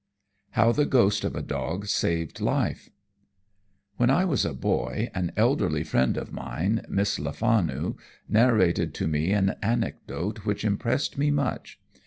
How the Ghost of a Dog saved Life When I was a boy, an elderly friend of mine, Miss Lefanu, narrated to me an anecdote which impressed me much.